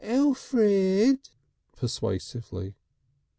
"Elfrid!" persuasively.